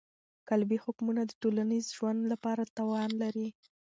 قالبي حکمونه د ټولنیز ژوند لپاره تاوان لري.